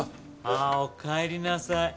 あおかえりなさい。